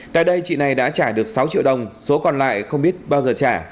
tại đây chị này đã trả được sáu triệu đồng số còn lại không biết bao giờ trả